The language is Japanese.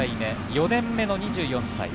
４年目の２４歳。